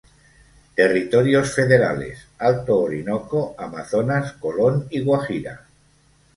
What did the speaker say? Territorios Federales: Alto Orinoco, Amazonas, Colón y Guajira.